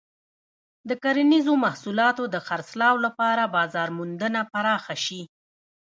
د کرنیزو محصولاتو د خرڅلاو لپاره بازار موندنه پراخه شي.